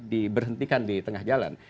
di berhentikan di tengah jalan